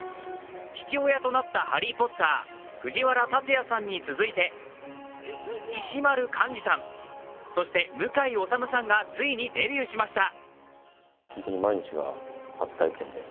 父親となったハリー・ポッター藤原竜也さんに続いて石丸幹二さん、そして向井理さんがついにデビューしました。